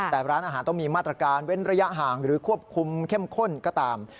แต่ร้านอาหารต้องมีมาตรการเว้นระยะห่างหรือควบคุมเข้มข้นก็ตาม